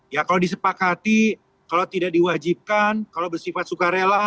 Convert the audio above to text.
ya kalau disepakati kalau tidak diwajibkan kalau bersifat sukarela